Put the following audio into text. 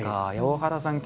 大原さん